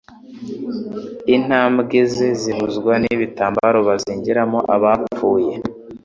Intambwe ze zibuzwa n'ibitambaro bazingiramo abapfuye,